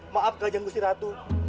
maafkan saya ratu